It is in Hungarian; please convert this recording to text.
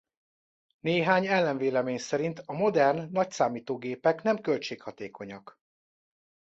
Néhány ellenvélemény szerint a modern nagyszámítógépek nem költséghatékonyak.